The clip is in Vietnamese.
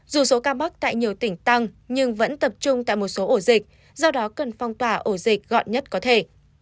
dù số ca mắc tại nhiều tỉnh tăng nhưng vẫn tập trung tại một số ổ dịch do đó cần phong tỏa ổ dịch gọn nhất có thể